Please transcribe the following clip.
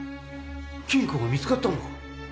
金庫が見つかったのか！？